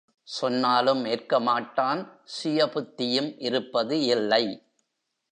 சொன்னாலும் ஏற்கமாட்டான் சுயபுத்தியும் இருப்பது இல்லை.